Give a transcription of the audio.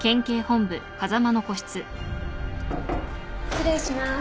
失礼します。